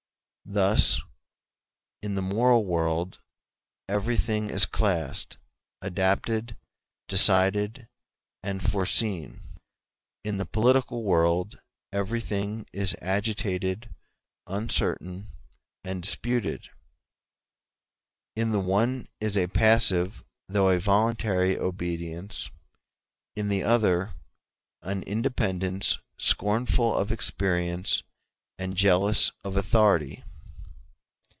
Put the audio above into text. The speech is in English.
Thus, in the moral world everything is classed, adapted, decided, and foreseen; in the political world everything is agitated, uncertain, and disputed: in the one is a passive, though a voluntary, obedience; in the other an independence scornful of experience and jealous of authority.